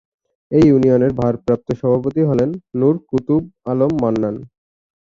এই ইউনিয়নের ভারপ্রাপ্ত সভাপতি হলেন নূর কুতুব আলম মান্নান।